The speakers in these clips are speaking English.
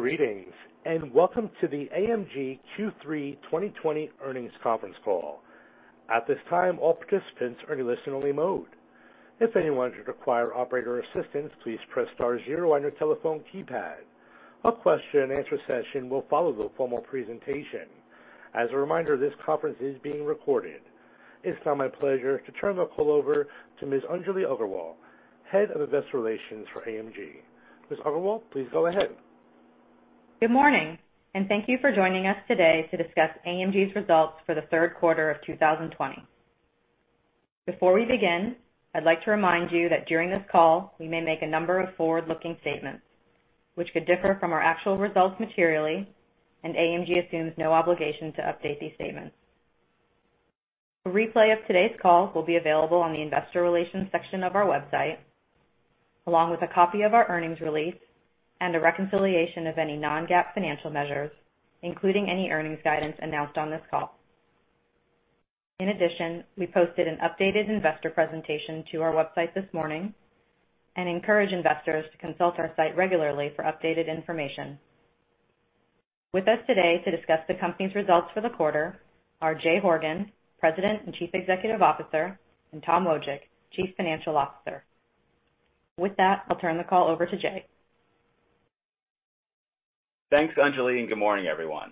Greetings, and welcome to the AMG Q3 2020 earnings conference call. At this time, all participants are in listen-only mode. If anyone should require operator assistance please press star zero on your telephone keypad. A question-and-answer session will follow the formal presentation. As a reminder, this conference is being recorded. It's now my pleasure to turn the call over to Ms. Anjali Aggarwal, Head of Investor Relations for AMG. Ms. Aggarwal, please go ahead. Good morning, and thank you for joining us today to discuss AMG's results for the third quarter of 2020. Before we begin, I'd like to remind you that during this call, we may make a number of forward-looking statements which could differ from our actual results materially, and AMG assumes no obligation to update these statements. A replay of today's call will be available on the investor relations section of our website, along with a copy of our earnings release and a reconciliation of any non-GAAP financial measures, including any earnings guidance announced on this call. In addition, we posted an updated investor presentation to our website this morning and encourage investors to consult our site regularly for updated information. With us today to discuss the company's results for the quarter are Jay Horgen, President and Chief Executive Officer, and Tom Wojcik, Chief Financial Officer. With that, I'll turn the call over to Jay. Thanks, Anjali, and good morning, everyone.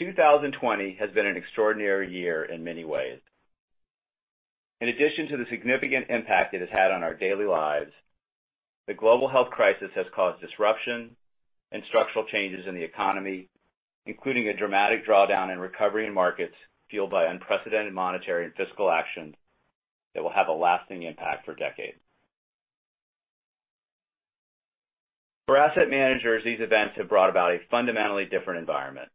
2020 has been an extraordinary year in many ways. In addition to the significant impact it has had on our daily lives, the global health crisis has caused disruption and structural changes in the economy, including a dramatic drawdown and recovery in markets fueled by unprecedented monetary and fiscal actions that will have a lasting impact for decades. For asset managers, these events have brought about a fundamentally different environment.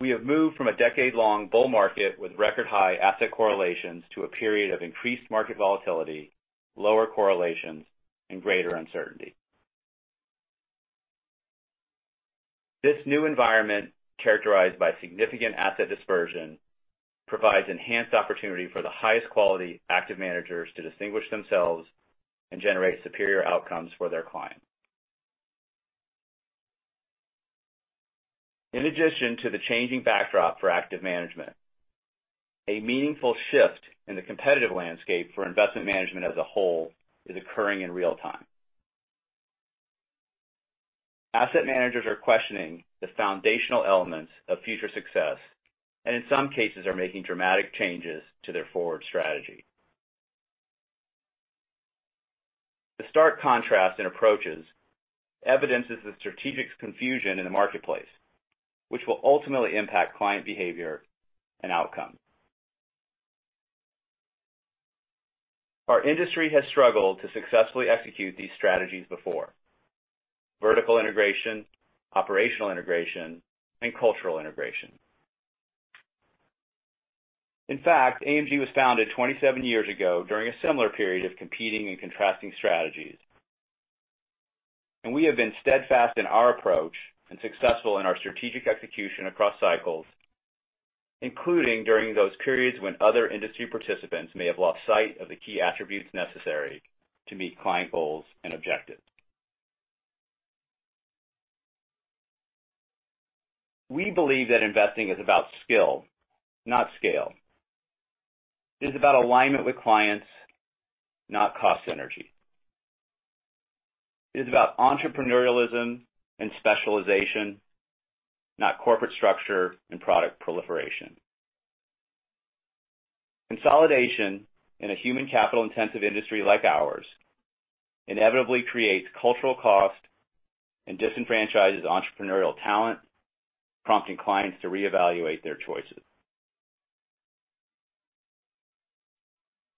We have moved from a decade-long bull market with record high asset correlations to a period of increased market volatility, lower correlations, and greater uncertainty. This new environment, characterized by significant asset dispersion, provides enhanced opportunity for the highest quality active managers to distinguish themselves and generate superior outcomes for their clients. In addition to the changing backdrop for active management, a meaningful shift in the competitive landscape for investment management as a whole is occurring in real time. Asset managers are questioning the foundational elements of future success and in some cases are making dramatic changes to their forward strategy. The stark contrast in approaches evidences the strategic confusion in the marketplace, which will ultimately impact client behavior and outcomes. Our industry has struggled to successfully execute these strategies before. Vertical integration, operational integration, and cultural integration. In fact, AMG was founded 27 years ago during a similar period of competing and contrasting strategies. We have been steadfast in our approach and successful in our strategic execution across cycles, including during those periods when other industry participants may have lost sight of the key attributes necessary to meet client goals and objectives. We believe that investing is about skill, not scale. It is about alignment with clients, not cost synergy. It is about entrepreneurialism and specialization, not corporate structure and product proliferation. Consolidation in a human capital intensive industry like ours inevitably creates cultural cost and disenfranchises entrepreneurial talent, prompting clients to reevaluate their choices.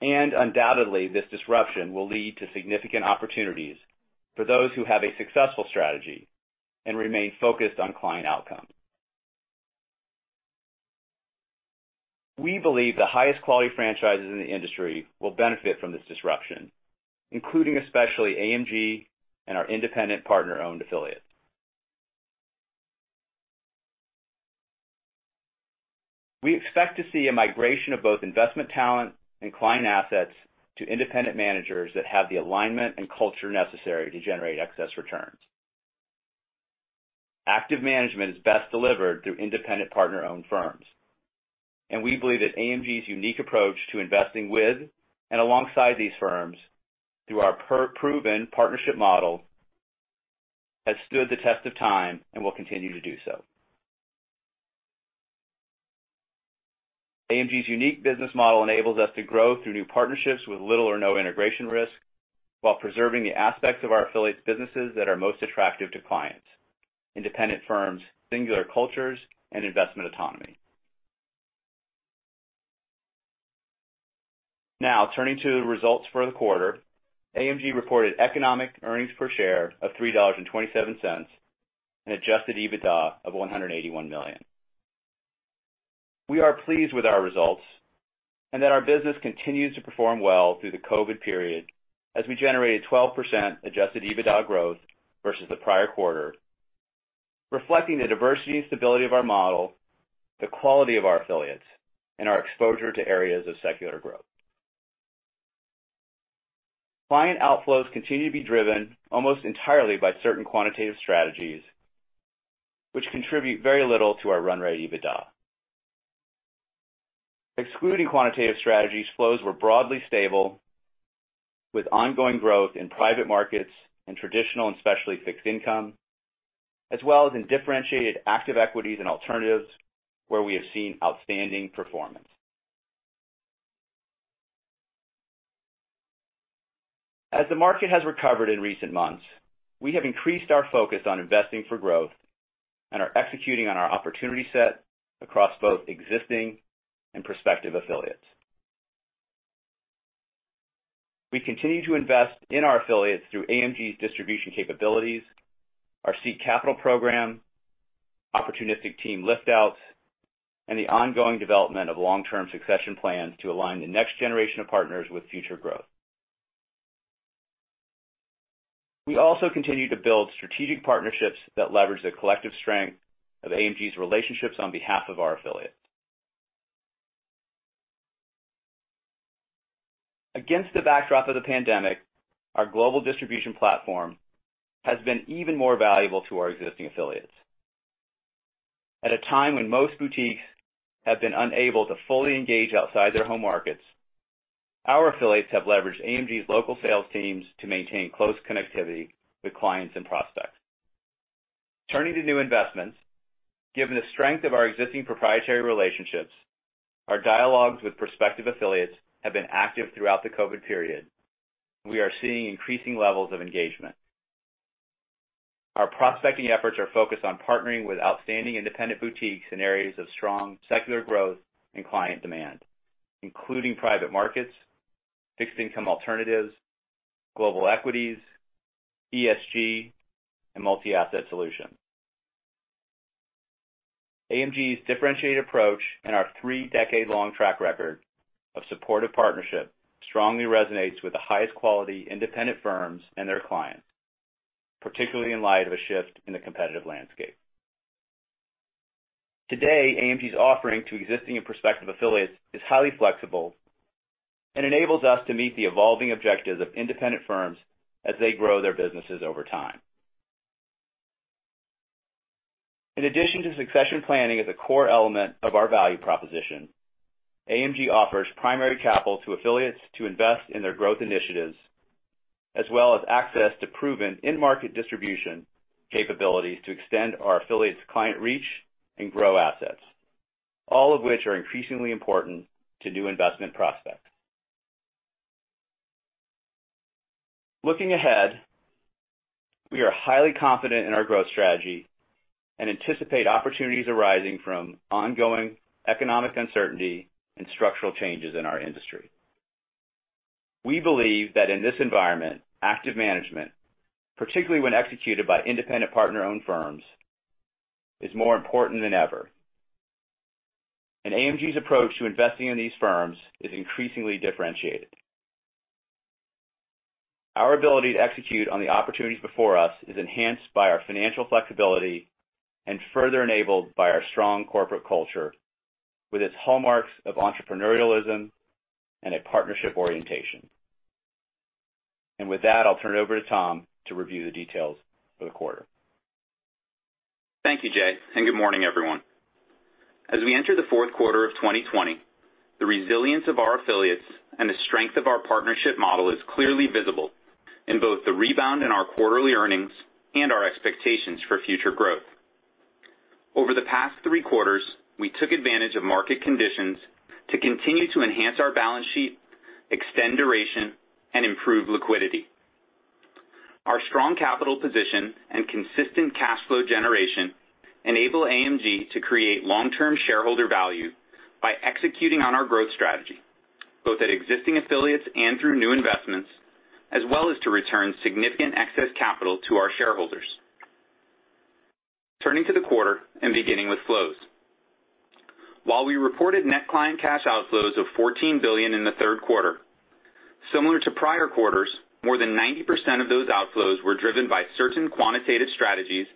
Undoubtedly, this disruption will lead to significant opportunities for those who have a successful strategy and remain focused on client outcomes. We believe the highest quality franchises in the industry will benefit from this disruption, including especially AMG and our independent partner owned affiliates. We expect to see a migration of both investment talent and client assets to independent managers that have the alignment and culture necessary to generate excess returns. Active management is best delivered through independent partner owned firms, and we believe that AMG's unique approach to investing with and alongside these firms through our proven partnership model, has stood the test of time and will continue to do so. AMG's unique business model enables us to grow through new partnerships with little or no integration risk, while preserving the aspects of our affiliates' businesses that are most attractive to clients, independent firms, singular cultures, and investment autonomy. Turning to the results for the quarter. AMG reported economic earnings per share of $3.27 and adjusted EBITDA of $181 million. We are pleased with our results and that our business continues to perform well through the COVID period, as we generated 12% adjusted EBITDA growth versus the prior quarter, reflecting the diversity and stability of our model, the quality of our affiliates, and our exposure to areas of secular growth. Client outflows continue to be driven almost entirely by certain quantitative strategies, which contribute very little to our run rate EBITDA. Excluding quantitative strategies, flows were broadly stable, with ongoing growth in private markets and traditional and specialty fixed income, as well as in differentiated active equities and alternatives, where we have seen outstanding performance. As the market has recovered in recent months, we have increased our focus on investing for growth and are executing on our opportunity set across both existing and prospective affiliates. We continue to invest in our affiliates through AMG's distribution capabilities, our seed capital program, opportunistic team lift-outs, and the ongoing development of long-term succession plans to align the next generation of partners with future growth. We also continue to build strategic partnerships that leverage the collective strength of AMG's relationships on behalf of our affiliates. Against the backdrop of the pandemic, our global distribution platform has been even more valuable to our existing affiliates. At a time when most boutiques have been unable to fully engage outside their home markets, our affiliates have leveraged AMG's local sales teams to maintain close connectivity with clients and prospects. Turning to new investments, given the strength of our existing proprietary relationships, our dialogues with prospective affiliates have been active throughout the COVID period. We are seeing increasing levels of engagement. Our prospecting efforts are focused on partnering with outstanding independent boutiques in areas of strong secular growth and client demand, including private markets, fixed income alternatives, global equities, ESG, and multi-asset solutions. AMG's differentiated approach and our three-decade-long track record of supportive partnership strongly resonates with the highest quality independent firms and their clients, particularly in light of a shift in the competitive landscape. Today, AMG's offering to existing and prospective affiliates is highly flexible and enables us to meet the evolving objectives of independent firms as they grow their businesses over time. In addition to succession planning as a core element of our value proposition, AMG offers primary capital to affiliates to invest in their growth initiatives, as well as access to proven in-market distribution capabilities to extend our affiliates' client reach and grow assets, all of which are increasingly important to new investment prospects. Looking ahead, we are highly confident in our growth strategy and anticipate opportunities arising from ongoing economic uncertainty and structural changes in our industry. We believe that in this environment, active management, particularly when executed by independent partner-owned firms, is more important than ever. AMG's approach to investing in these firms is increasingly differentiated. Our ability to execute on the opportunities before us is enhanced by our financial flexibility and further enabled by our strong corporate culture with its hallmarks of entrepreneurialism and a partnership orientation. With that, I'll turn it over to Tom to review the details for the quarter. Thank you, Jay, and good morning, everyone. As we enter the fourth quarter of 2020, the resilience of our affiliates and the strength of our partnership model is clearly visible in both the rebound in our quarterly earnings and our expectations for future growth. Over the past three quarters, we took advantage of market conditions to continue to enhance our balance sheet, extend duration, and improve liquidity. Our strong capital position and consistent cash flow generation enable AMG to create long-term shareholder value by executing on our growth strategy, both at existing affiliates and through new investments, as well as to return significant excess capital to our shareholders. Turning to the quarter and beginning with flows. While we reported net client cash outflows of $14 billion in the third quarter, similar to prior quarters, more than 90% of those outflows were driven by certain quantitative strategies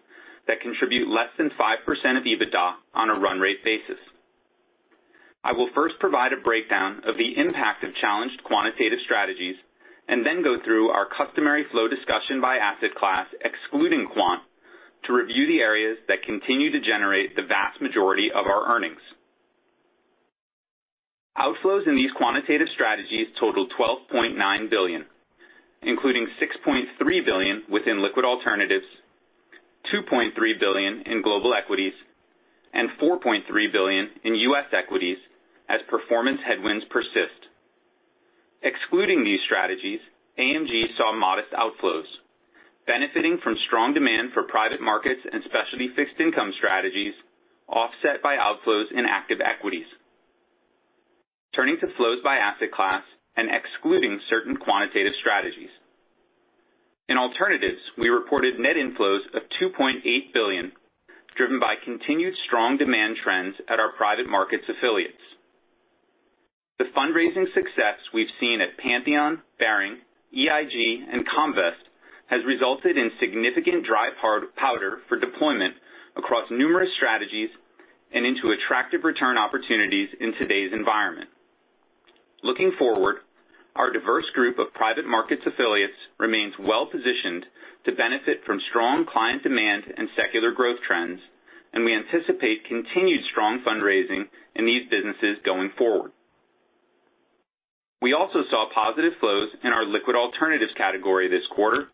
that contribute less than 5% of EBITDA on a run rate basis. I will first provide a breakdown of the impact of challenged quantitative strategies and then go through our customary flow discussion by asset class, excluding quant, to review the areas that continue to generate the vast majority of our earnings. Outflows in these quantitative strategies totaled $12.9 billion, including $6.3 billion within liquid alternatives, $2.3 billion in global equities, and $4.3 billion in US equities as performance headwinds persist. Excluding these strategies, AMG saw modest outflows, benefiting from strong demand for private markets and specialty fixed income strategies, offset by outflows in active equities. Turning to flows by asset class and excluding certain quantitative strategies. In alternatives, we reported net inflows of $2.8 billion, driven by continued strong demand trends at our private markets affiliates. The fundraising success we've seen at Pantheon, Baring, EIG, and Comvest has resulted in significant dry powder for deployment across numerous strategies and into attractive return opportunities in today's environment. Looking forward, our diverse group of private markets affiliates remains well-positioned to benefit from strong client demand and secular growth trends, we anticipate continued strong fundraising in these businesses going forward. We also saw positive flows in our liquid alternatives category this quarter,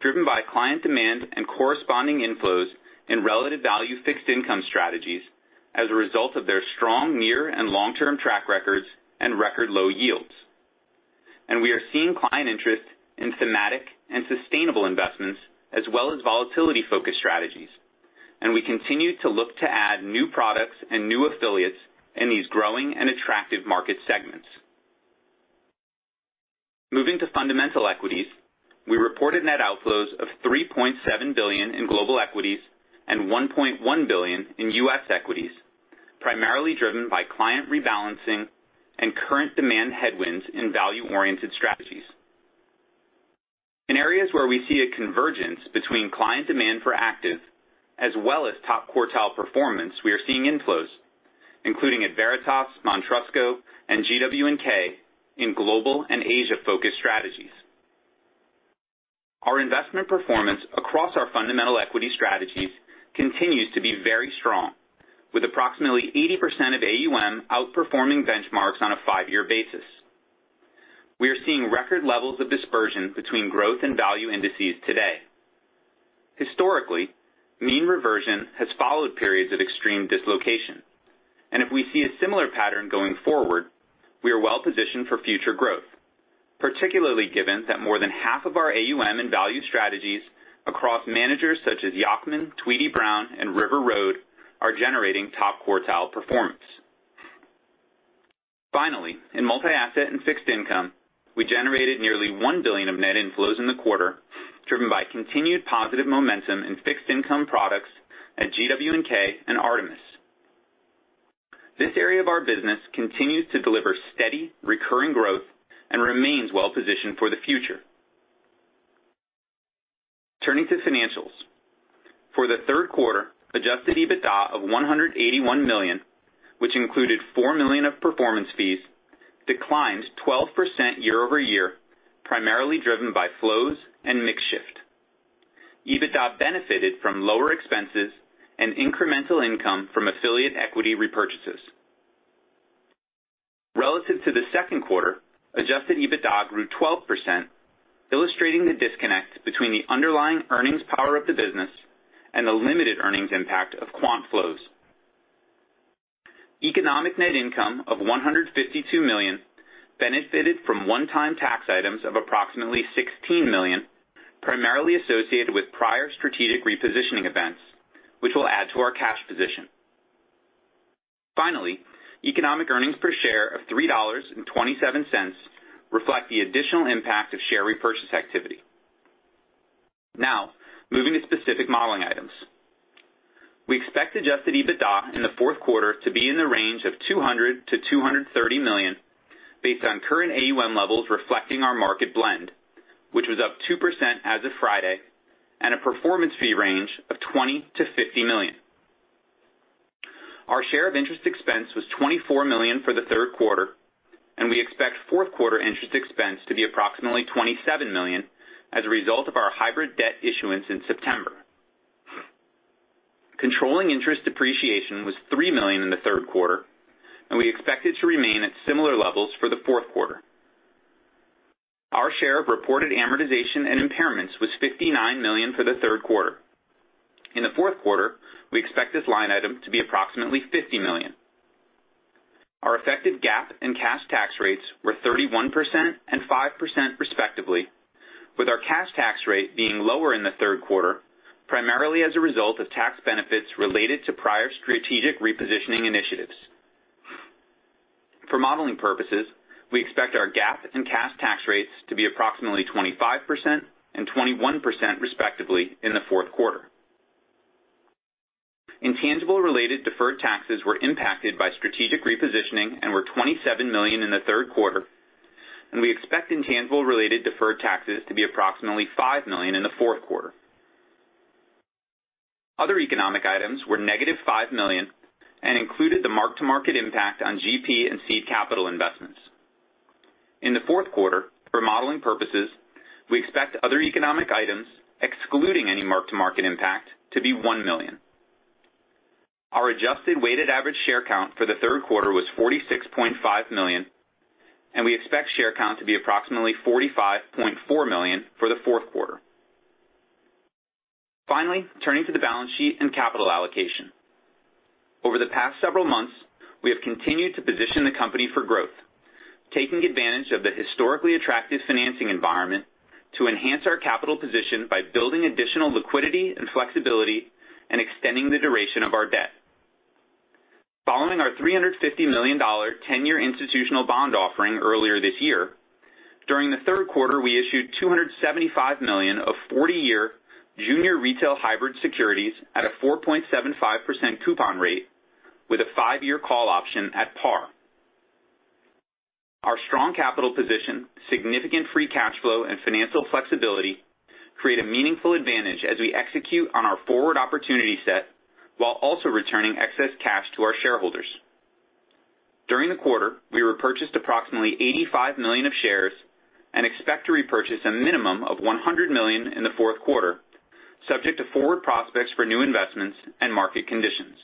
driven by client demand and corresponding inflows in relative value fixed income strategies as a result of their strong near and long-term track records and record-low yields. We are seeing client interest in thematic and sustainable investments as well as volatility-focused strategies. We continue to look to add new products and new affiliates in these growing and attractive market segments. Moving to fundamental equities, we reported net outflows of $3.7 billion in global equities and $1.1 billion in U.S. equities, primarily driven by client rebalancing and current demand headwinds in value-oriented strategies. In areas where we see a convergence between client demand for active as well as top-quartile performance, we are seeing inflows, including at Veritas, Montrusco, and GW&K in global and Asia-focused strategies. Our investment performance across our fundamental equity strategies continues to be very strong, with approximately 80% of AUM outperforming benchmarks on a five-year basis. We are seeing record levels of dispersion between growth and value indices today. Historically, mean reversion has followed periods of extreme dislocation, and if we see a similar pattern going forward, we are well-positioned for future growth, particularly given that more than half of our AUM in value strategies across managers such as Yacktman, Tweedy, Browne, and River Road are generating top-quartile performance. Finally, in multi-asset and fixed income, we generated nearly $1 billion of net inflows in the quarter, driven by continued positive momentum in fixed income products at GW&K and Artemis. This area of our business continues to deliver steady, recurring growth and remains well positioned for the future. Turning to financials. For the third quarter, adjusted EBITDA of $181 million, which included $4 million of performance fees, declined 12% year-over-year, primarily driven by flows and mix shift. EBITDA benefited from lower expenses and incremental income from affiliate equity repurchases. Relative to the second quarter, adjusted EBITDA grew 12%, illustrating the disconnect between the underlying earnings power of the business and the limited earnings impact of quant flows. Economic net income of $152 million benefited from one-time tax items of approximately $16 million, primarily associated with prior strategic repositioning events, which will add to our cash position. Finally, economic earnings per share of $3.27 reflect the additional impact of share repurchase activity. Moving to specific modeling items. We expect adjusted EBITDA in the fourth quarter to be in the range of $200 million-$230 million, based on current AUM levels reflecting our market blend, which was up 2% as of Friday, and a performance fee range of $20 million-$50 million. Our share of interest expense was $24 million for the third quarter, and we expect fourth quarter interest expense to be approximately $27 million as a result of our hybrid debt issuance in September. Controlling interest depreciation was $3 million in the third quarter, and we expect it to remain at similar levels for the fourth quarter. Our share of reported amortization and impairments was $59 million for the third quarter. In the fourth quarter, we expect this line item to be approximately $50 million. Our effective GAAP and cash tax rates were 31% and 5%, respectively, with our cash tax rate being lower in the third quarter, primarily as a result of tax benefits related to prior strategic repositioning initiatives. For modeling purposes, we expect our GAAP and cash tax rates to be approximately 25% and 21%, respectively, in the fourth quarter. Intangible-related deferred taxes were impacted by strategic repositioning and were $27 million in the third quarter. We expect intangible-related deferred taxes to be approximately $5 million in the fourth quarter. Other economic items were $-5 million and included the mark-to-market impact on GP and seed capital investments. In the fourth quarter, for modeling purposes, we expect other economic items, excluding any mark-to-market impact, to be $1 million. Our adjusted weighted average share count for the third quarter was 46.5 million. We expect share count to be approximately 45.4 million for the fourth quarter. Finally, turning to the balance sheet and capital allocation. Over the past several months, we have continued to position the company for growth, taking advantage of the historically attractive financing environment to enhance our capital position by building additional liquidity and flexibility and extending the duration of our debt. Following our $350 million 10-year institutional bond offering earlier this year, during the third quarter, we issued $275 million of 40-year junior retail hybrid securities at a 4.75% coupon rate with a five-year call option at par. Our strong capital position, significant free cash flow, and financial flexibility create a meaningful advantage as we execute on our forward opportunity set while also returning excess cash to our shareholders. During the quarter, we repurchased approximately $85 million of shares and expect to repurchase a minimum of $100 million in the fourth quarter, subject to forward prospects for new investments and market conditions.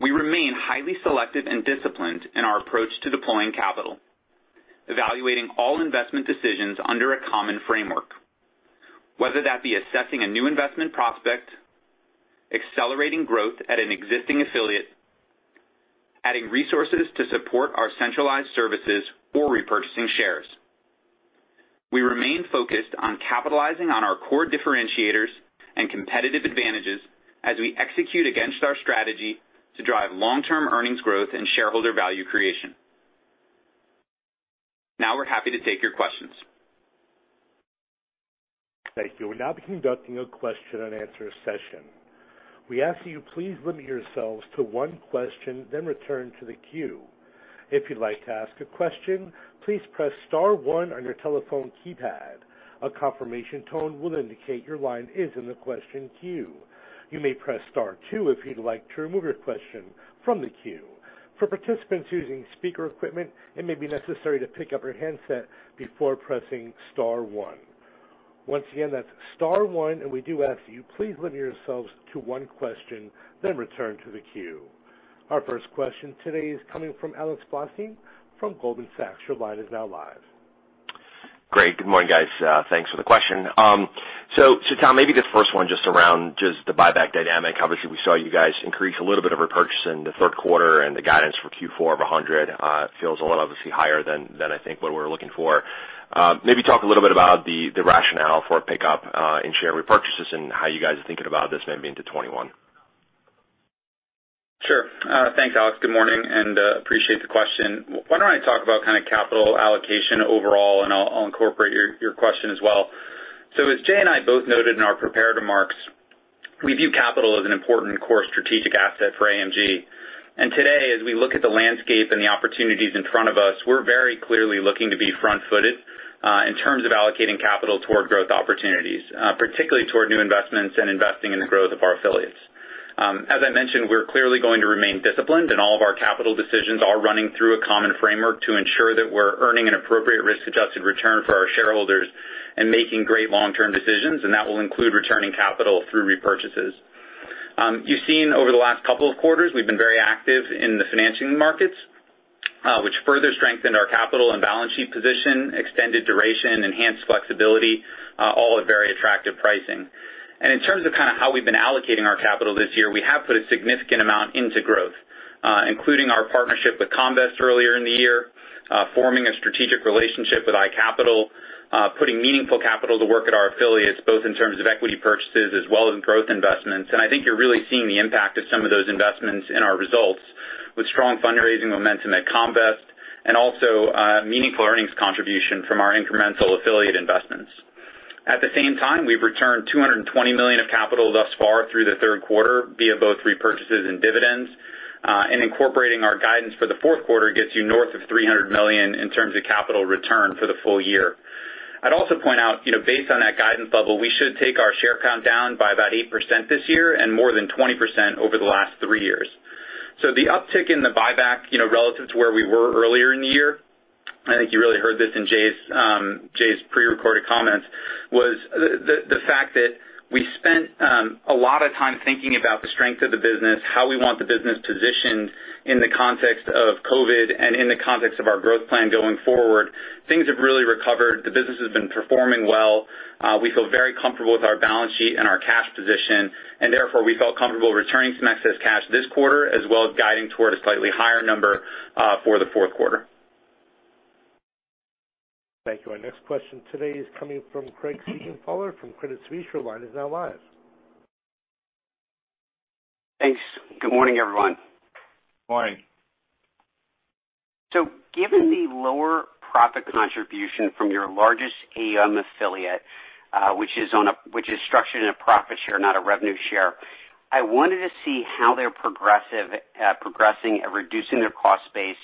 We remain highly selective and disciplined in our approach to deploying capital, evaluating all investment decisions under a common framework, whether that be assessing a new investment prospect, accelerating growth at an existing affiliate, adding resources to support our centralized services, or repurchasing shares. We remain focused on capitalizing on our core differentiators and competitive advantages as we execute against our strategy to drive long-term earnings growth and shareholder value creation. Now we're happy to take your questions. Thank you. We'll now be conducting a question-and-answer session. We ask that you please limit yourselves to one question, then return to the queue. If you'd like to ask a question, please press star one on your telephone keypad. A confirmation tone will indicate your line is in the question queue. You may press star two if you'd like to remove your question from the queue. For participants using speaker equipment, it may be necessary to pick up your handset before pressing star one. Once again, that's star one, and we do ask you please limit yourselves to one question, then return to the queue. Our first question today is coming from Alex Blostein from Goldman Sachs. Your line is now live. Great. Good morning, guys. Thanks for the question. Tom, maybe this first one just around just the buyback dynamic. Obviously, we saw you guys increase a little bit of repurchase in the third quarter and the guidance for Q4 of $100 feels a little, obviously, higher than I think what we were looking for. Maybe talk a little bit about the rationale for a pickup in share repurchases and how you guys are thinking about this maybe into 2021. Sure. Thanks, Alex. Good morning and appreciate the question. Why don't I talk about kind of capital allocation overall, and I'll incorporate your question as well. As Jay and I both noted in our prepared remarks, we view capital as an important core strategic asset for AMG. Today, as we look at the landscape and the opportunities in front of us, we're very clearly looking to be front-footed in terms of allocating capital toward growth opportunities, particularly toward new investments and investing in the growth of our affiliates. As I mentioned, we're clearly going to remain disciplined, and all of our capital decisions are running through a common framework to ensure that we're earning an appropriate risk-adjusted return for our shareholders and making great long-term decisions, and that will include returning capital through repurchases. You've seen over the last couple of quarters, we've been very active in the financing markets, which further strengthened our capital and balance sheet position, extended duration, enhanced flexibility, all at very attractive pricing. In terms of kind of how we've been allocating our capital this year, we have put a significant amount into growth, including our partnership with Comvest earlier in the year, forming a strategic relationship with iCapital, putting meaningful capital to work at our affiliates, both in terms of equity purchases as well as growth investments. I think you're really seeing the impact of some of those investments in our results with strong fundraising momentum at Comvest and also meaningful earnings contribution from our incremental affiliate investments. At the same time, we've returned $220 million of capital thus far through the third quarter via both repurchases and dividends. Incorporating our guidance for Q4 gets you north of $300 million in terms of capital return for the full year. I'd also point out, based on that guidance level, we should take our share count down by about 8% this year and more than 20% over the last three years. The uptick in the buyback, relative to where we were earlier in the year, I think you really heard this in Jay's prerecorded comments, was the fact that we spent a lot of time thinking about the strength of the business, how we want the business positioned in the context of COVID and in the context of our growth plan going forward. Things have really recovered. The business has been performing well. We feel very comfortable with our balance sheet and our cash position, and therefore, we felt comfortable returning some excess cash this quarter, as well as guiding toward a slightly higher number for the fourth quarter. Thank you. Our next question today is coming from Craig Siegenthaler from Credit Suisse. Your line is now live. Thanks. Good morning, everyone. Morning. Given the lower profit contribution from your largest AMG affiliate, which is structured in a profit share, not a revenue share, I wanted to see how they're progressing at reducing their cost base,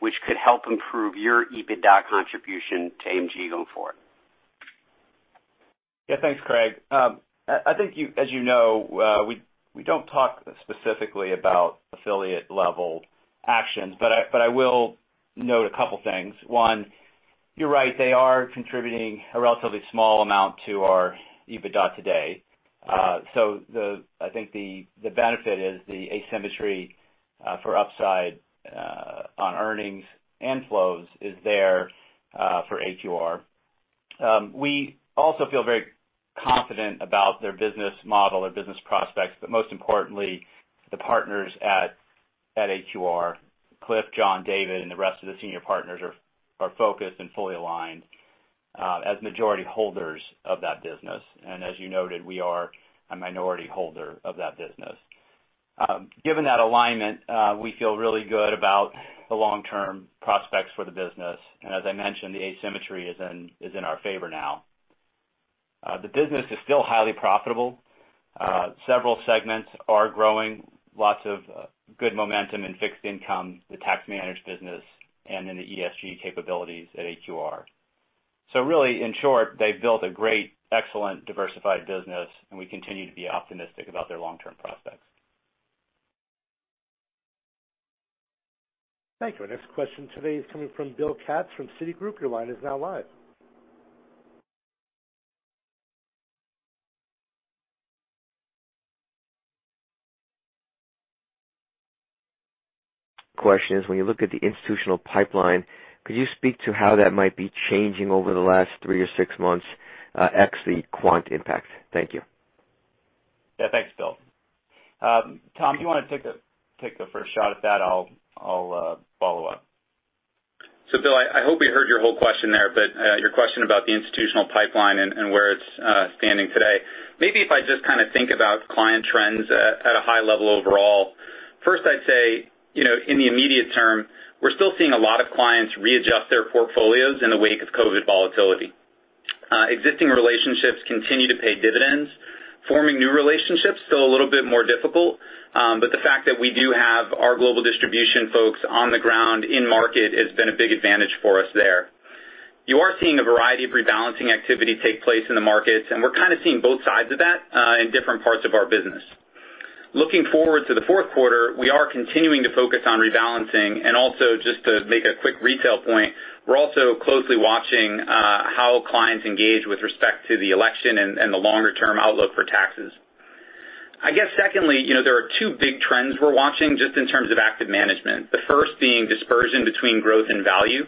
which could help improve your EBITDA contribution to AMG going forward. Thanks, Craig. I think as you know, we don't talk specifically about affiliate-level actions, but I will note a couple things. One, you're right, they are contributing a relatively small amount to our EBITDA today. I think the benefit is the asymmetry for upside on earnings and flows is there for AQR. We also feel very confident about their business model, their business prospects, but most importantly, the partners at AQR, Cliff, John, David, and the rest of the senior partners are focused and fully aligned. As majority holders of that business. As you noted, we are a minority holder of that business. Given that alignment, we feel really good about the long-term prospects for the business. As I mentioned, the asymmetry is in our favor now. The business is still highly profitable. Several segments are growing. Lots of good momentum in fixed income, the tax managed business, and in the ESG capabilities at AQR. Really, in short, they've built a great, excellent, diversified business, and we continue to be optimistic about their long-term prospects. Thank you. Our next question today is coming from Bill Katz from Citigroup. Your line is now live. Question is, when you look at the institutional pipeline, could you speak to how that might be changing over the last three or six months, ex the quant impact? Thank you. Yeah, thanks, Bill. Tom, do you want to take the first shot at that? I'll follow up. Bill, I hope we heard your whole question there, but your question about the institutional pipeline and where it's standing today. Maybe if I just think about client trends at a high level overall. First, I'd say, in the immediate term, we're still seeing a lot of clients readjust their portfolios in the wake of COVID volatility. Existing relationships continue to pay dividends. Forming new relationships, still a little bit more difficult. The fact that we do have our global distribution folks on the ground in market has been a big advantage for us there. You are seeing a variety of rebalancing activity take place in the markets, and we're kind of seeing both sides of that in different parts of our business. Looking forward to the fourth quarter, we are continuing to focus on rebalancing and also just to make a quick retail point, we are also closely watching how clients engage with respect to the election and the longer-term outlook for taxes. I guess secondly, there are two big trends we are watching just in terms of active management. The first being dispersion between growth and value.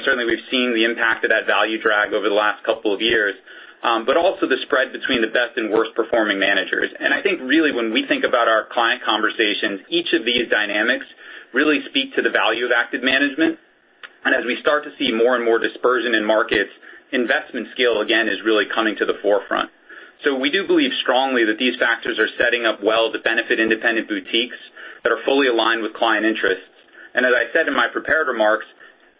Certainly, we have seen the impact of that value drag over the last couple of years. Also, the spread between the best and worst performing managers. I think really when we think about our client conversations, each of these dynamics really speak to the value of active management. As we start to see more and more dispersion in markets, investment scale again is really coming to the forefront. We do believe strongly that these factors are setting up well to benefit independent boutiques that are fully aligned with client interests. As I said in my prepared remarks,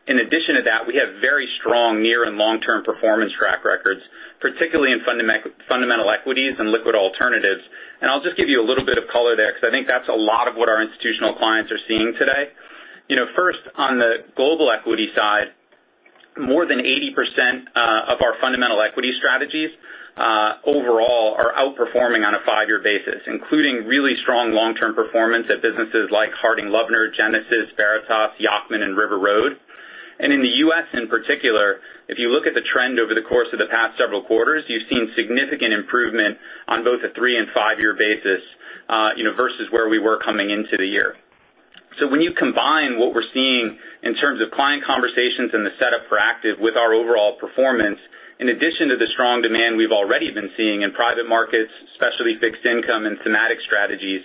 in addition to that, we have very strong near and long-term performance track records, particularly in fundamental equities and liquid alternatives. I'll just give you a little bit of color there because I think that's a lot of what our institutional clients are seeing today. First, on the global equity side, more than 80% of our fundamental equity strategies overall are outperforming on a five-year basis, including really strong long-term performance at businesses like Harding Loevner, Genesis, Veritas, Yacktman, and River Road. In the U.S. in particular, if you look at the trend over the course of the past several quarters, you've seen significant improvement on both a three and five-year basis versus where we were coming into the year. When you combine what we're seeing in terms of client conversations and the setup for active with our overall performance, in addition to the strong demand we've already been seeing in private markets, especially fixed income and thematic strategies,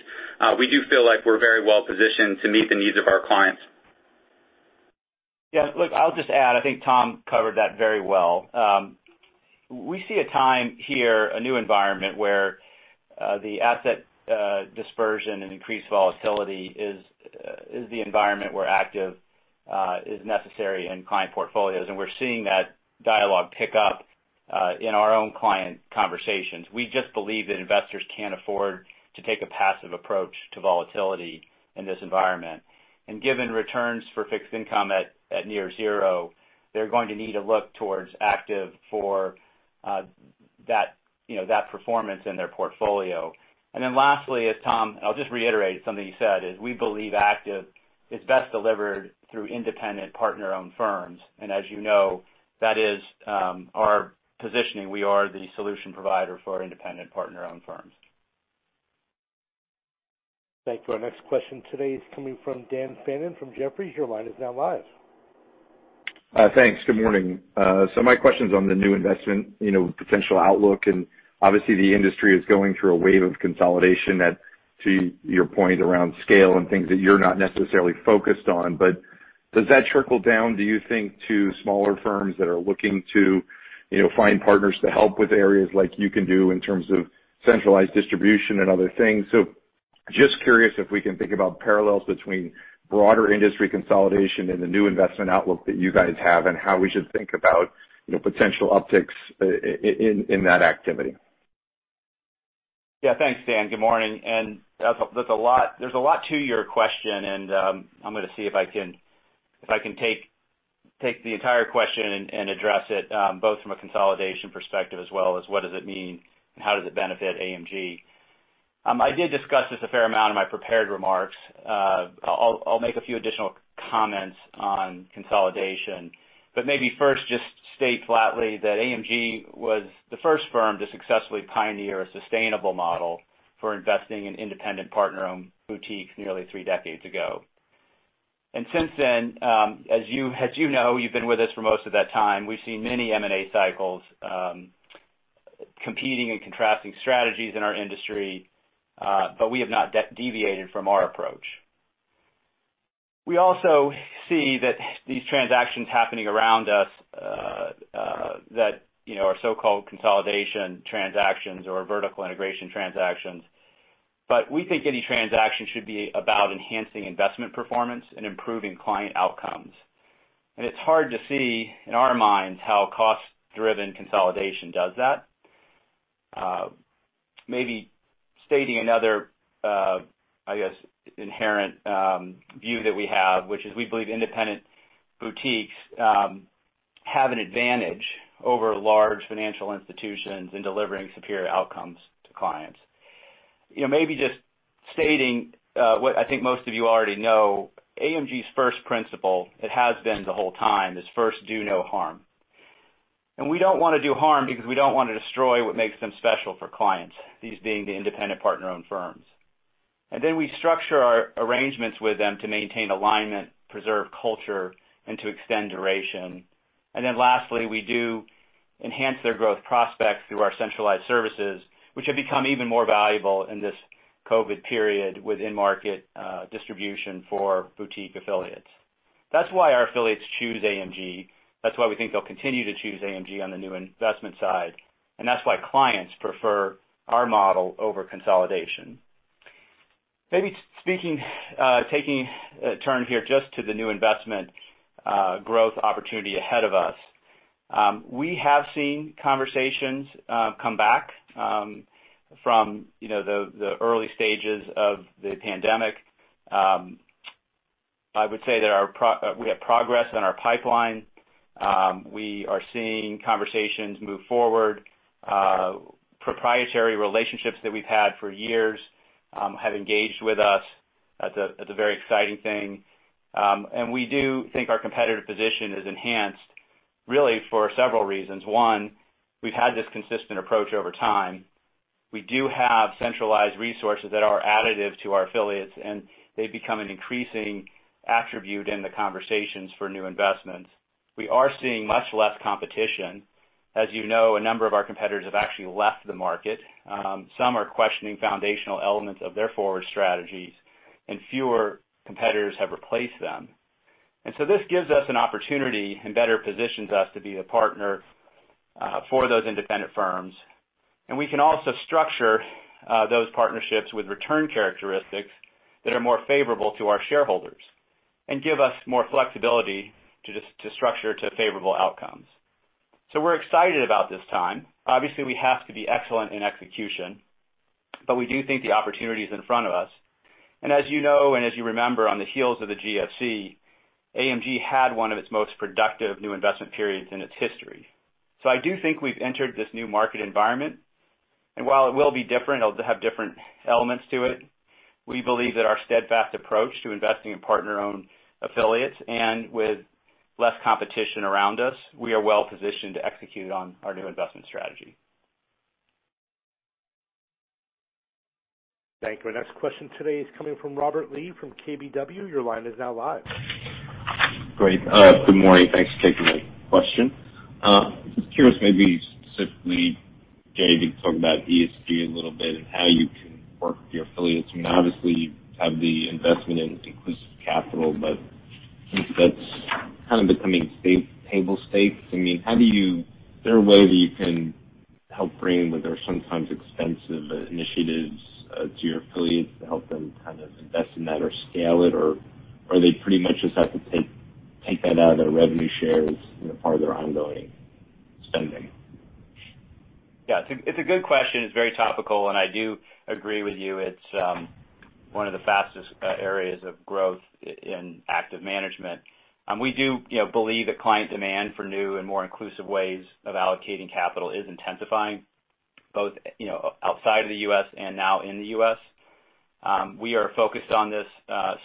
we do feel like we're very well-positioned to meet the needs of our clients. Look, I'll just add, I think Tom covered that very well. We see a time here, a new environment where the asset dispersion and increased volatility is the environment where active is necessary in client portfolios. We're seeing that dialogue pick up in our own client conversations. We just believe that investors can't afford to take a passive approach to volatility in this environment. Given returns for fixed income at near zero, they're going to need to look towards active for that performance in their portfolio. Lastly, Tom, I'll just reiterate something you said, is we believe active is best delivered through independent partner-owned firms. As you know, that is our positioning. We are the solution provider for independent partner-owned firms. Thank you. Our next question today is coming from Dan Fannon from Jefferies. Your line is now live. Thanks. Good morning. My question's on the new investment potential outlook, and obviously the industry is going through a wave of consolidation that, to your point around scale and things that you're not necessarily focused on. Does that trickle down, do you think, to smaller firms that are looking to find partners to help with areas like you can do in terms of centralized distribution and other things? Just curious if we can think about parallels between broader industry consolidation and the new investment outlook that you guys have, and how we should think about potential upticks in that activity. Yeah, thanks, Dan. Good morning. There's a lot to your question, and I'm going to see if I can take the entire question and address it both from a consolidation perspective as well as what does it mean and how does it benefit AMG. I did discuss this a fair amount in my prepared remarks. I'll make a few additional comments on consolidation. Maybe first just state flatly that AMG was the first firm to successfully pioneer a sustainable model for investing in independent partner-owned boutiques nearly three decades ago. Since then, as you know, you've been with us for most of that time, we've seen many M&A cycles competing and contrasting strategies in our industry, but we have not deviated from our approach. We also see that these transactions happening around us that are so-called consolidation transactions or vertical integration transactions. We think any transaction should be about enhancing investment performance and improving client outcomes. It's hard to see, in our minds, how cost-driven consolidation does that. Maybe stating another, I guess, inherent view that we have, which is we believe independent boutiques have an advantage over large financial institutions in delivering superior outcomes to clients. Maybe just stating what I think most of you already know, AMG's first principle, it has been the whole time, is first, do no harm. We don't want to do harm because we don't want to destroy what makes them special for clients, these being the independent partner-owned firms. We structure our arrangements with them to maintain alignment, preserve culture, and to extend duration. Then lastly, we do enhance their growth prospects through our centralized services, which have become even more valuable in this COVID period with in-market distribution for boutique affiliates. That's why our affiliates choose AMG. That's why we think they'll continue to choose AMG on the new investment side. That's why clients prefer our model over consolidation. Maybe taking a turn here just to the new investment growth opportunity ahead of us. We have seen conversations come back from the early stages of the pandemic. I would say that we have progress on our pipeline. We are seeing conversations move forward. Proprietary relationships that we've had for years have engaged with us. That's a very exciting thing. We do think our competitive position is enhanced really for several reasons. One, we've had this consistent approach over time. We do have centralized resources that are additive to our affiliates, and they've become an increasing attribute in the conversations for new investments. We are seeing much less competition. As you know, a number of our competitors have actually left the market. Some are questioning foundational elements of their forward strategies, and fewer competitors have replaced them. This gives us an opportunity and better positions us to be a partner for those independent firms. We can also structure those partnerships with return characteristics that are more favorable to our shareholders and give us more flexibility to structure to favorable outcomes. We're excited about this time. Obviously, we have to be excellent in execution, but we do think the opportunity's in front of us. As you know, and as you remember, on the heels of the GFC, AMG had one of its most productive new investment periods in its history. I do think we've entered this new market environment, and while it will be different, it'll have different elements to it. We believe that our steadfast approach to investing in partner-owned affiliates and with less competition around us, we are well positioned to execute on our new investment strategy. Thank you. Our next question today is coming from Robert Lee from KBW. Your line is now live. Great. Good morning. Thanks for taking my question. Just curious, maybe specifically, Jay, you could talk about ESG a little bit and how you can work with your affiliates. Obviously, you have the investment in Inclusive Capital, since that's kind of becoming table stakes, is there a way that you can help bring what are sometimes expensive initiatives to your affiliates to help them invest in that or scale it? They pretty much just have to take that out of their revenue shares in the part of their ongoing spending? Yeah. It's a good question. It's very topical, and I do agree with you. It's one of the fastest areas of growth in active management. We do believe that client demand for new and more inclusive ways of allocating capital is intensifying both outside of the U.S. and now in the U.S. We are focused on this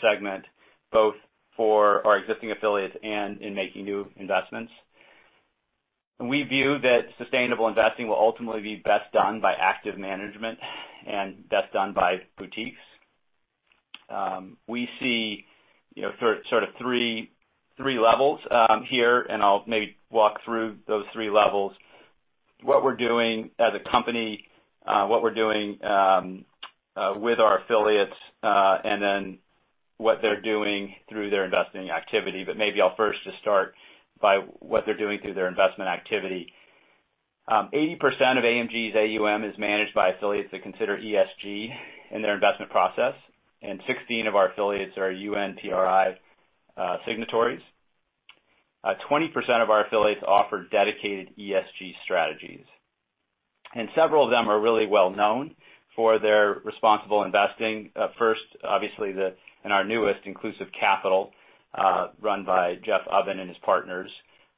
segment both for our existing affiliates and in making new investments. We view that sustainable investing will ultimately be best done by active management and best done by boutiques. We see sort of three levels here, and I'll maybe walk through those three levels. What we're doing as a company, what we're doing with our affiliates, and then what they're doing through their investing activity. Maybe I'll first just start by what they're doing through their investment activity. 80% of AMG's AUM is managed by affiliates that consider ESG in their investment process, and 16 of our affiliates are UNPRI signatories. 20% of our affiliates offer dedicated ESG strategies. Several of them are really well known for their responsible investing. First, obviously, and our newest Inclusive Capital, run by Jeff Ubben and his partners,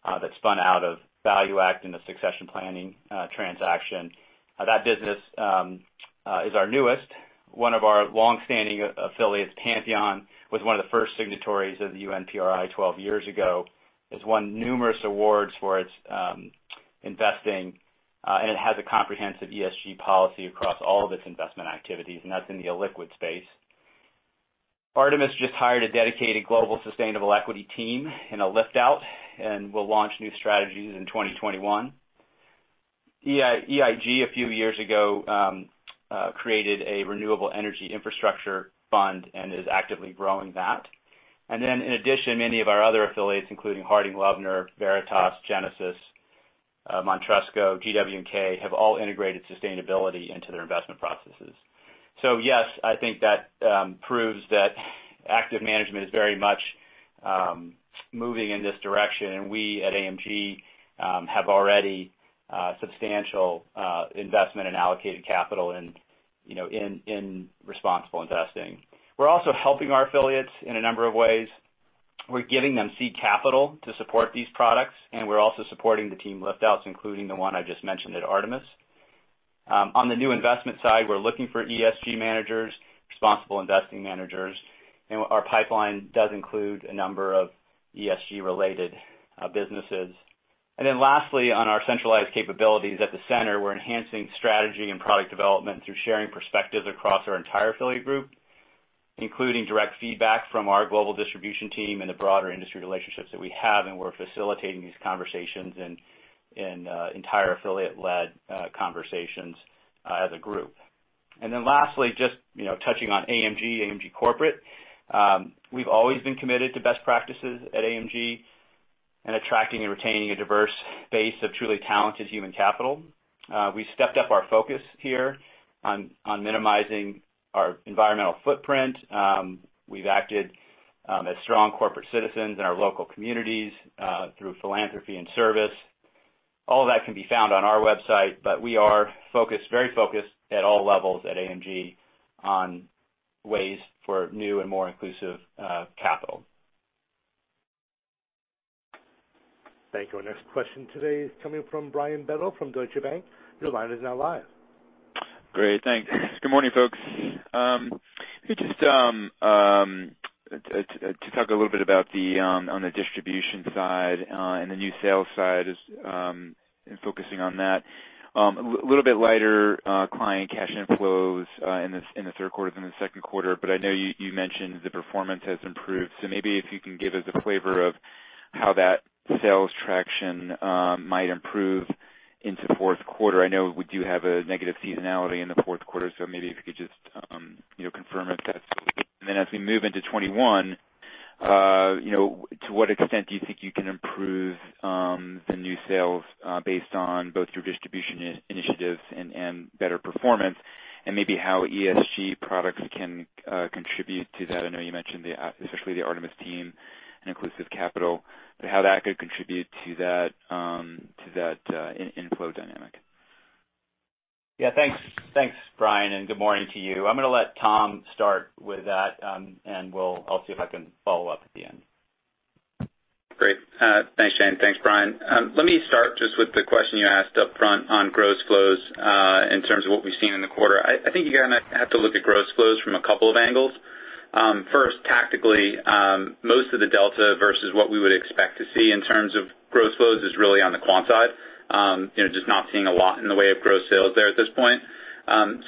that spun out of ValueAct in a succession planning transaction. That business is our newest. One of our longstanding affiliates, Pantheon, was one of the first signatories of the UNPRI 12 years ago. It's won numerous awards for its investing, and it has a comprehensive ESG policy across all of its investment activities, and that's in the illiquid space. Artemis just hired a dedicated global sustainable equity team in a lift-out and will launch new strategies in 2021. EIG, a few years ago, created a renewable energy infrastructure fund and is actively growing that. In addition, many of our other affiliates, including Harding Loevner, Veritas, Genesis, Montrusco Bolton, GW&K, have all integrated sustainability into their investment processes. Yes, I think that proves that active management is very much moving in this direction. We at AMG have already substantial investment in allocated capital in responsible investing. We're also helping our affiliates in a number of ways. We're giving them seed capital to support these products, and we're also supporting the team lift outs, including the one I just mentioned at Artemis. On the new investment side, we're looking for ESG managers, responsible investing managers, and our pipeline does include a number of ESG-related businesses. Lastly, on our centralized capabilities at the center, we're enhancing strategy and product development through sharing perspectives across our entire affiliate group, including direct feedback from our global distribution team and the broader industry relationships that we have, and we're facilitating these conversations in entire affiliate-led conversations as a group. Lastly, just touching on AMG corporate. We've always been committed to best practices at AMG in attracting and retaining a diverse base of truly talented human capital. We stepped up our focus here on minimizing our environmental footprint. We've acted as strong corporate citizens in our local communities through philanthropy and service. All that can be found on our website, but we are very focused at all levels at AMG on ways for new and more inclusive capital. Thank you. Our next question today is coming from Brian Bedell from Deutsche Bank. Your line is now live. Great. Thanks. Good morning, folks. If we could just to talk a little bit about on the distribution side and the new sales side, and focusing on that. A little bit lighter client cash inflows in the third quarter than the second quarter, but I know you mentioned the performance has improved. Maybe if you can give us a flavor of how that sales traction might improve into fourth quarter. I know we do have a negative seasonality in the fourth quarter, so maybe if you could just confirm if that's. Then as we move into 2021, to what extent do you think you can improve the new sales, based on both your distribution initiatives and better performance, and maybe how ESG products can contribute to that? I know you mentioned especially the Artemis team and Inclusive Capital, but how that could contribute to that inflow dynamic. Thanks, Brian, and good morning to you. I'm going to let Tom start with that, and I'll see if I can follow up at the end. Great. Thanks, Jay. Thanks, Brian. Let me start just with the question you asked upfront on gross flows in terms of what we've seen in the quarter. I think you're going to have to look at gross flows from a couple of angles. First, tactically, most of the delta versus what we would expect to see in terms of gross flows is really on the quant side. Just not seeing a lot in the way of gross sales there at this point.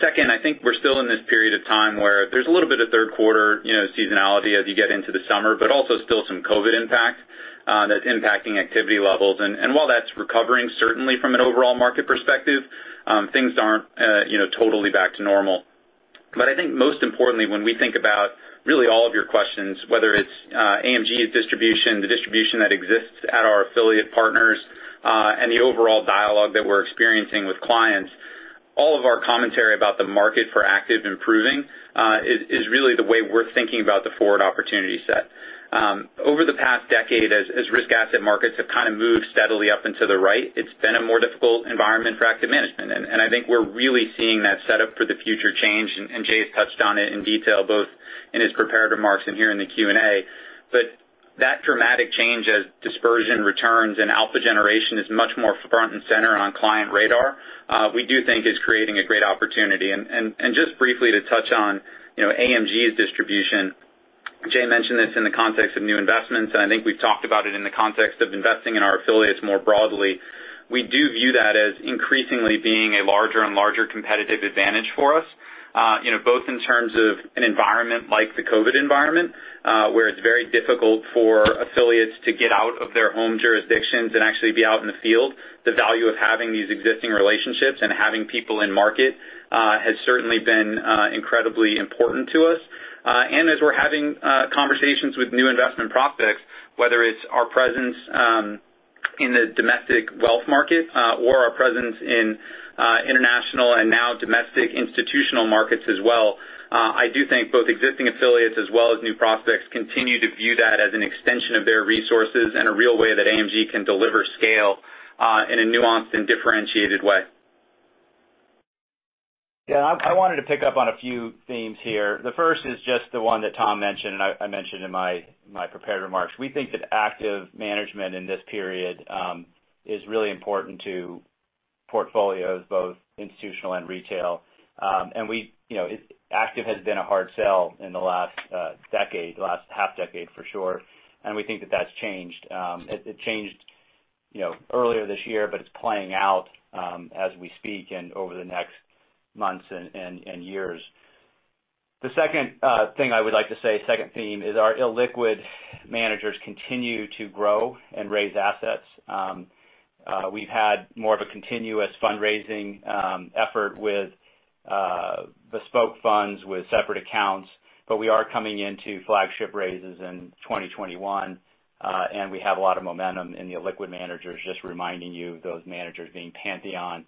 Second, I think we're still in this period of time where there's a little bit of third quarter seasonality as you get into the summer, but also still some COVID impact that's impacting activity levels. While that's recovering, certainly from an overall market perspective, things aren't totally back to normal. I think most importantly, when we think about really all of your questions, whether it's AMG's distribution, the distribution that exists at our affiliate partners, and the overall dialogue that we're experiencing with clients, all of our commentary about the market for active improving is really the way we're thinking about the forward opportunity set. Over the past decade, as risk asset markets have kind of moved steadily up and to the right, it's been a more difficult environment for active management. I think we're really seeing that set up for the future change. Jay has touched on it in detail, both in his prepared remarks and here in the Q&A. That dramatic change as dispersion returns and alpha generation is much more front and center on client radar, we do think is creating a great opportunity. Just briefly to touch on AMG's distribution. Jay mentioned this in the context of new investments. I think we've talked about it in the context of investing in our affiliates more broadly. We do view that as increasingly being a larger and larger competitive advantage for us. Both in terms of an environment like the COVID environment, where it's very difficult for affiliates to get out of their home jurisdictions and actually be out in the field. The value of having these existing relationships and having people in market has certainly been incredibly important to us. As we're having conversations with new investment prospects, whether it's our presence in the domestic wealth market or our presence in international and now domestic institutional markets as well. I do think both existing affiliates as well as new prospects continue to view that as an extension of their resources and a real way that AMG can deliver scale in a nuanced and differentiated way. I wanted to pick up on a few themes here. The first is just the one that Tom mentioned, and I mentioned in my prepared remarks. We think that active management in this period is really important to portfolios, both institutional and retail. Active has been a hard sell in the last decade, the last half decade for sure, and we think that that's changed. It changed earlier this year, but it's playing out as we speak and over the next months and years. The second thing I would like to say, second theme, is our illiquid managers continue to grow and raise assets. We've had more of a continuous fundraising effort with bespoke funds, with separate accounts, but we are coming into flagship raises in 2021. We have a lot of momentum in the illiquid managers, just reminding you of those managers being Pantheon,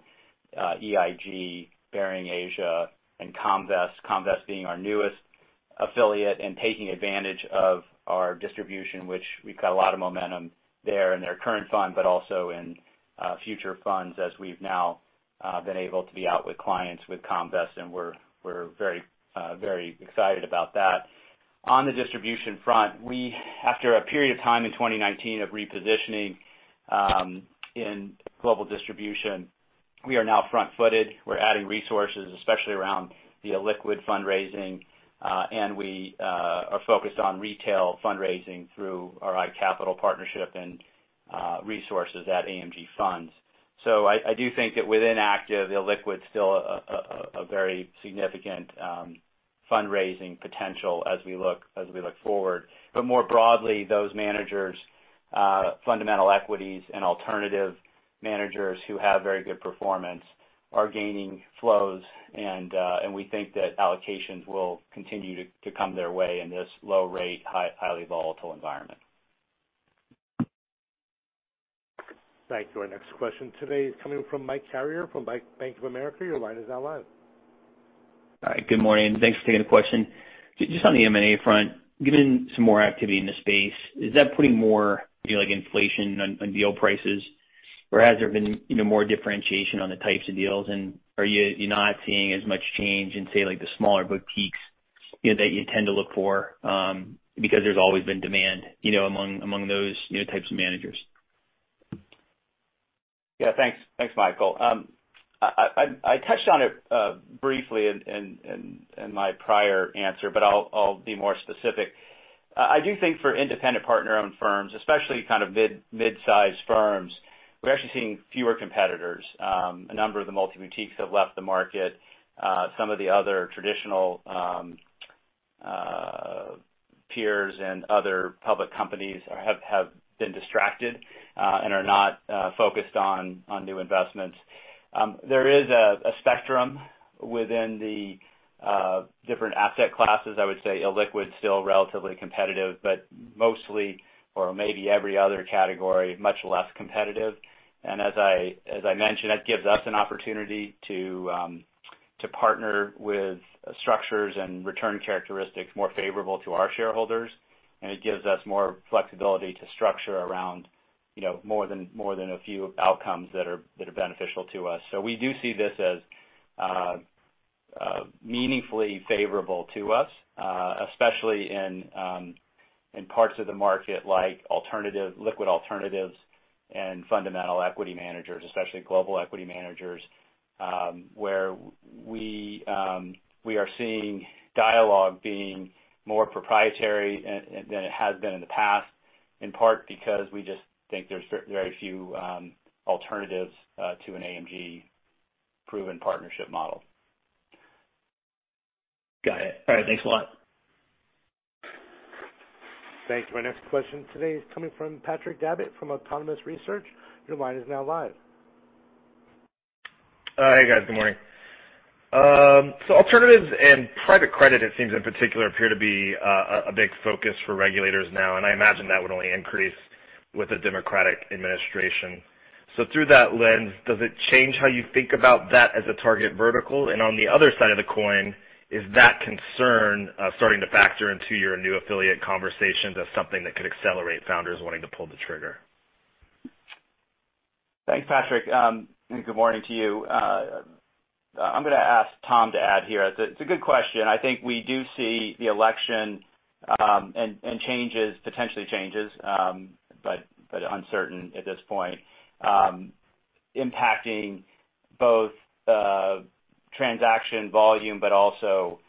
EIG, Baring Asia, and Comvest. Comvest being our newest affiliate and taking advantage of our distribution, which we've got a lot of momentum there in their current fund, but also in future funds as we've now been able to be out with clients with Comvest, and we're very excited about that. On the distribution front, after a period of time in 2019 of repositioning in global distribution, we are now front-footed. We're adding resources, especially around the illiquid fundraising. We are focused on retail fundraising through our iCapital partnership and resources at AMG Funds. I do think that within active, illiquid's still a very significant fundraising potential as we look forward. More broadly, those managers, fundamental equities, and alternative managers who have very good performance are gaining flows. We think that allocations will continue to come their way in this low rate, highly volatile environment. Thank you. Our next question today is coming from Mike Carrier from Bank of America. Your line is now live. Hi. Good morning. Thanks for taking the question. Just on the M&A front, given some more activity in the space, is that putting more inflation on deal prices? Has there been more differentiation on the types of deals, and are you not seeing as much change in, say, the smaller boutiques that you tend to look for because there's always been demand among those types of managers? Yeah. Thanks, Mike. I touched on it briefly in my prior answer. I'll be more specific. I do think for independent partner-owned firms, especially mid-size firms, we're actually seeing fewer competitors. A number of the multi-boutiques have left the market. Some of the other traditional peers and other public companies have been distracted and are not focused on new investments. There is a spectrum within the different asset classes. I would say illiquid's still relatively competitive. Mostly or maybe every other category, much less competitive. As I mentioned, that gives us an opportunity to partner with structures and return characteristics more favorable to our shareholders. It gives us more flexibility to structure around more than a few outcomes that are beneficial to us. We do see this as meaningfully favorable to us, especially in parts of the market like liquid alternatives and fundamental equity managers, especially global equity managers, where we are seeing dialogue being more proprietary than it has been in the past, in part because we just think there's very few alternatives to an AMG proven partnership model. Got it. All right. Thanks a lot. Thank you. Our next question today is coming from Patrick Davitt from Autonomous Research. Your line is now live. Hi, guys. Good morning. Alternatives and private credit, it seems in particular, appear to be a big focus for regulators now, and I imagine that would only increase with a Democratic administration. Through that lens, does it change how you think about that as a target vertical? On the other side of the coin, is that concern starting to factor into your new affiliate conversations as something that could accelerate founders wanting to pull the trigger? Thanks, Patrick. Good morning to you. I'm going to ask Tom to add here. It's a good question. I think we do see the election and potentially changes, but uncertain at this point, impacting both transaction volume, but also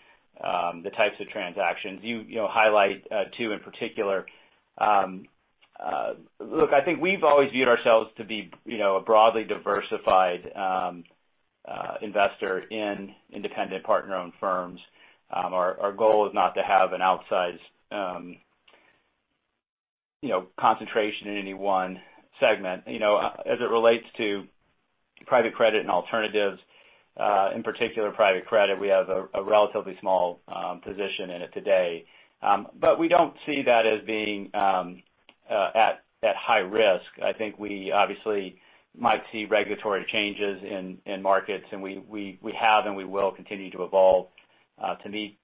the types of transactions. You highlight two in particular. Look, I think we've always viewed ourselves to be a broadly diversified investor in independent partner-owned firms. Our goal is not to have an outsized concentration in any one segment. As it relates to private credit and alternatives, in particular private credit, we have a relatively small position in it today. We don't see that as being at high risk. I think we obviously might see regulatory changes in markets, and we have and we will continue to evolve to meet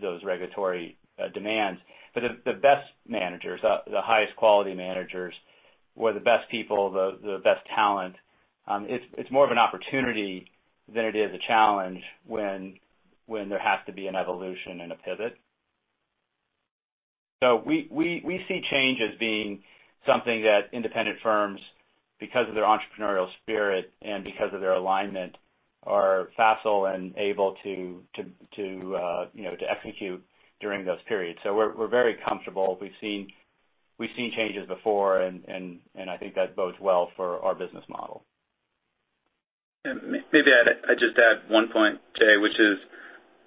those regulatory demands. The best managers, the highest quality managers, or the best people, the best talent, it's more of an opportunity than it is a challenge when there has to be an evolution and a pivot. We see change as being something that independent firms, because of their entrepreneurial spirit and because of their alignment, are facile and able to execute during those periods. We're very comfortable. We've seen changes before, and I think that bodes well for our business model. Maybe I just add one point, Jay, which is,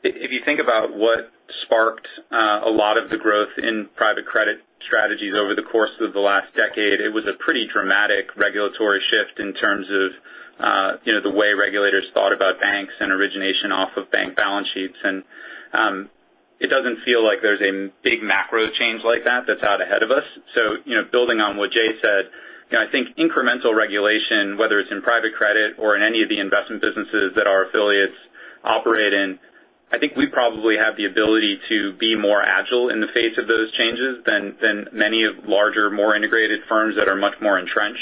if you think about what sparked a lot of the growth in private credit strategies over the course of the last decade, it was a pretty dramatic regulatory shift in terms of the way regulators thought about banks and origination off of bank balance sheets. It doesn't feel like there's a big macro change like that's out ahead of us. Building on what Jay said, I think incremental regulation, whether it's in private credit or in any of the investment businesses that our affiliates operate in, I think we probably have the ability to be more agile in the face of those changes than many larger, more integrated firms that are much more entrenched.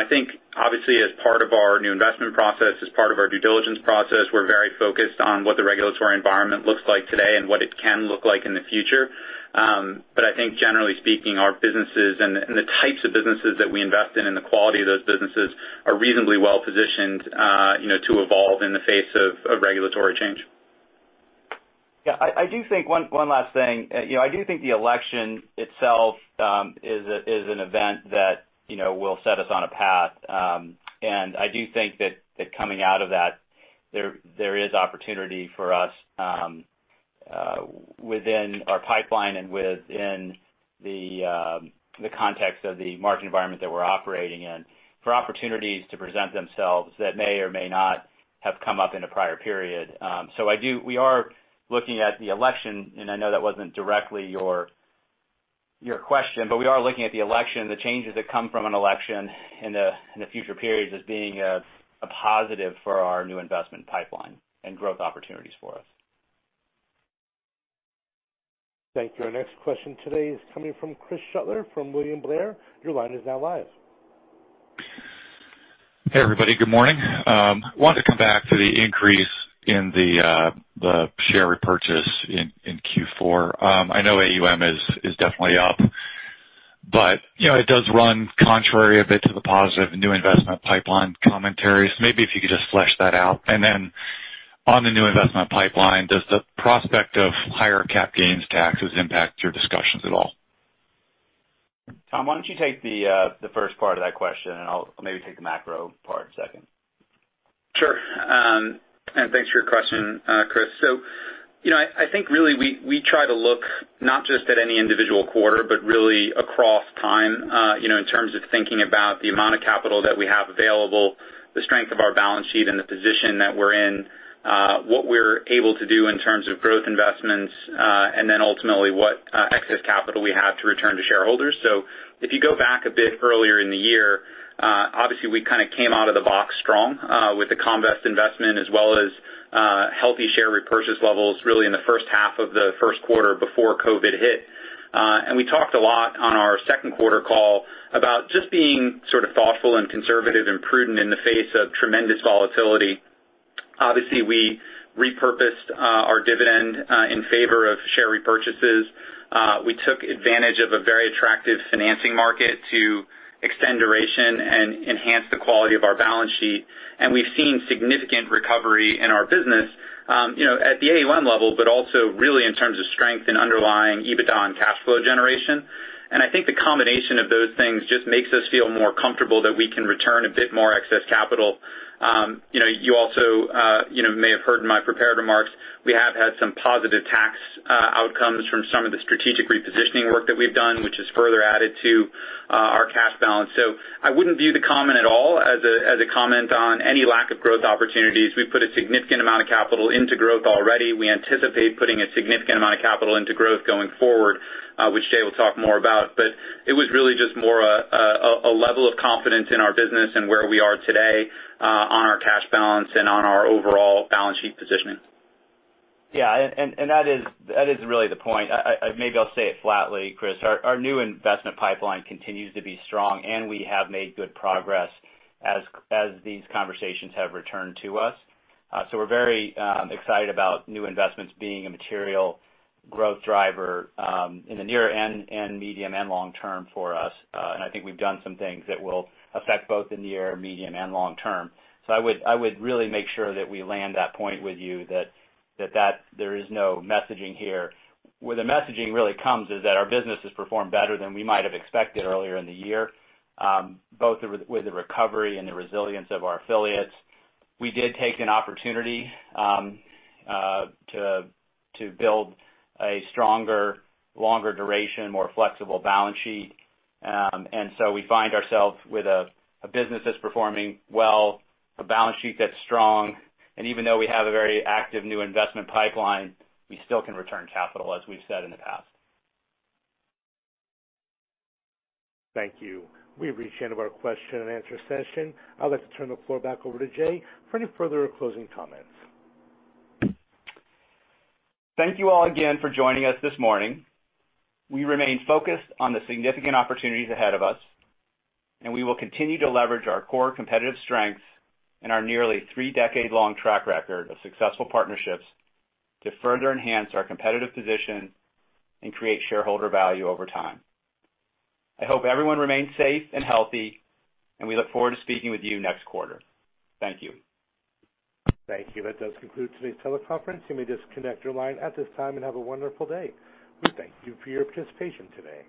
I think, obviously, as part of our new investment process, as part of our due diligence process, we're very focused on what the regulatory environment looks like today and what it can look like in the future. I think generally speaking, our businesses and the types of businesses that we invest in and the quality of those businesses are reasonably well-positioned to evolve in the face of regulatory change. Yeah. One last thing. I do think the election itself is an event that will set us on a path. I do think that coming out of that, there is opportunity for us within our pipeline and within the context of the market environment that we're operating in for opportunities to present themselves that may or may not have come up in a prior period. We are looking at the election, and I know that wasn't directly your question. We are looking at the election, the changes that come from an election in the future periods as being a positive for our new investment pipeline and growth opportunities for us. Thank you. Our next question today is coming from Chris Shutler from William Blair. Your line is now live Hey, everybody. Good morning. Wanted to come back to the increase in the share repurchase in Q4. I know AUM is definitely up, but it does run contrary a bit to the positive new investment pipeline commentaries. Maybe if you could just flesh that out. On the new investment pipeline, does the prospect of higher cap gains taxes impact your discussions at all? Tom, why don't you take the first part of that question, and I'll maybe take the macro part second. Sure. Thanks for your question, Chris. I think really we try to look not just at any individual quarter, but really across time, in terms of thinking about the amount of capital that we have available, the strength of our balance sheet and the position that we're in. What we're able to do in terms of growth investments, and then ultimately, what excess capital we have to return to shareholders. If you go back a bit earlier in the year, obviously we kind of came out of the box strong, with the Comvest investment as well as healthy share repurchase levels really in the first half of the first quarter before COVID hit. We talked a lot on our second quarter call about just being sort of thoughtful and conservative and prudent in the face of tremendous volatility. Obviously, we repurposed our dividend in favor of share repurchases. We took advantage of a very attractive financing market to extend duration and enhance the quality of our balance sheet. We've seen significant recovery in our business at the AUM level, but also really in terms of strength in underlying EBITDA and cash flow generation. I think the combination of those things just makes us feel more comfortable that we can return a bit more excess capital. You also may have heard in my prepared remarks, we have had some positive tax outcomes from some of the strategic repositioning work that we've done, which has further added to our cash balance. I wouldn't view the comment at all as a comment on any lack of growth opportunities. We've put a significant amount of capital into growth already. We anticipate putting a significant amount of capital into growth going forward, which Jay will talk more about. It was really just more a level of confidence in our business and where we are today on our cash balance and on our overall balance sheet positioning. Yeah. That is really the point. Maybe I'll say it flatly, Chris. Our new investment pipeline continues to be strong, and we have made good progress as these conversations have returned to us. We're very excited about new investments being a material growth driver in the near and medium and long term for us. I think we've done some things that will affect both the near, medium, and long term. I would really make sure that we land that point with you that there is no messaging here. Where the messaging really comes is that our business has performed better than we might have expected earlier in the year, both with the recovery and the resilience of our affiliates. We did take an opportunity to build a stronger, longer duration, more flexible balance sheet. We find ourselves with a business that's performing well, a balance sheet that's strong, and even though we have a very active new investment pipeline, we still can return capital as we've said in the past. Thank you. We've reached the end of our question-and-answer session. I'd like to turn the floor back over to Jay for any further closing comments. Thank you all again for joining us this morning. We remain focused on the significant opportunities ahead of us, and we will continue to leverage our core competitive strengths and our three-decade-long track record of successful partnerships to further enhance our competitive position and create shareholder value over time. I hope everyone remains safe and healthy, and we look forward to speaking with you next quarter. Thank you. Thank you. That does conclude today's teleconference. You may disconnect your line at this time and have a wonderful day. Thank you for your participation today.